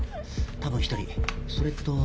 多分１人それと。